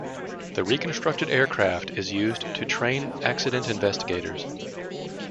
The reconstructed aircraft is used to train accident investigators.